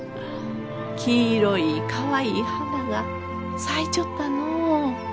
黄色いかわいい花が咲いちょったのう。